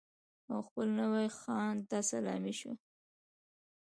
او خپل نوي خان ته سلامي شول.